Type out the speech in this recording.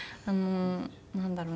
なんだろうな。